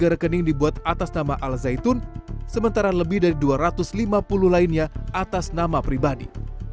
tiga rekening dibuat atas nama al zaitun sementara lebih dari dua ratus lima puluh lainnya atas nama pribadi